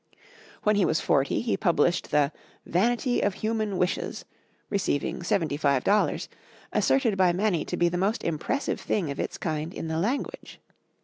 When he was forty, he published the "Vanity of Human Wishes," receiving seventy five dollars, asserted by many to be the most impressive thing of its kind in the language.